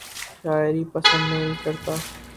شاعری پسند نہیں کرتا